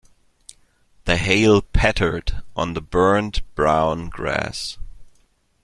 The hail pattered on the burnt brown grass.